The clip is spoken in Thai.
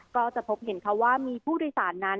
ก็จะพบเห็นเขาว่ามีผู้โดยสารนั้น